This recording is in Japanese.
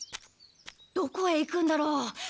どこへ行くんだろう？